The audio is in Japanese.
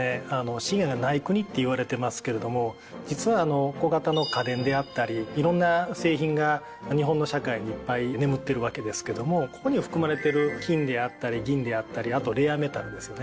資源がない国って言われてますけれども実は小型の家電であったりいろんな製品が日本の社会にいっぱい眠ってるわけですけどもここに含まれてる金であったり銀であったりあとレアメタルですよね。